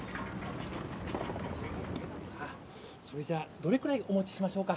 どれくらいお持ちしましょうか？